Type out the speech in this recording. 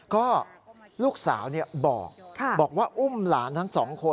ก็ลูกสาวบอกว่าอุ้มหลานทั้งสองคน